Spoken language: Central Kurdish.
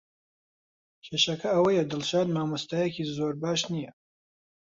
کێشەکە ئەوەیە دڵشاد مامۆستایەکی زۆر باش نییە.